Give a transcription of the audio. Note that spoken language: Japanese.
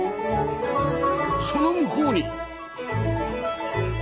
その向こうに